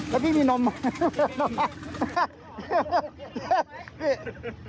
แล้วพี่มีนมไหม